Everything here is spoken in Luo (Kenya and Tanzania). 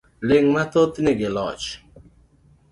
Ling' mathoth nigi loch .